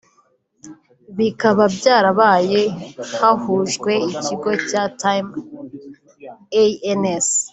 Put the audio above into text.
bikaba byarabaye hahujwe ikigo cya Time Inc